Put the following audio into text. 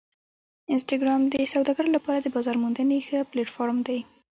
انسټاګرام د سوداګرو لپاره د بازار موندنې ښه پلیټفارم دی.